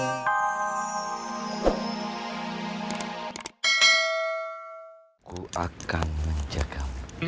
aku akan menjaga